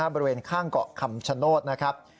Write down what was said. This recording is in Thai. บริเวณข้างเกาะคำชโนธนะครับ